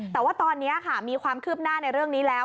แต่ว่าตอนนี้ค่ะมีความคืบหน้าในเรื่องนี้แล้ว